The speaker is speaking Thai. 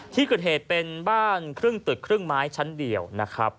ที่เกิดเหตุเป็นบ้านครึ่งตึกครึ่งไม้ชั้นเดียวนะครับ